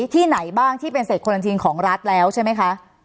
ที่ไหนบ้างที่เป็นเศษโครันทีนของรัฐแล้วใช่ไหมคะ